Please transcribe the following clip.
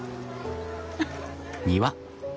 フッ。